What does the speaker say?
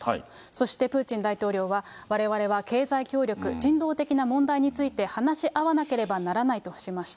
そしてプーチン大統領は、われわれは経済協力、人道的な問題について話し合わなければならないとしました。